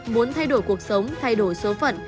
muốn thay đổi cuộc sống thay đổi số phận